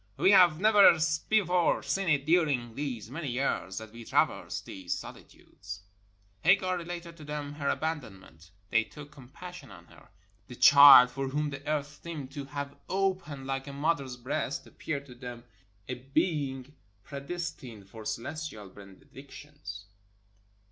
We have never before seen it during these many years that we traversed these solitudes." Hagar related to them her abandonment; they took compassion on her. The child, for whom the earth seemed to have opened 489 ARABIA like a mother's breast, appeared to them a being predes tined for celestial benedictions.